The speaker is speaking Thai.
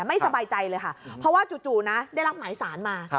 ไม่สบายใจเลยค่ะเพราะว่าจู่นะได้รับหมายสารมา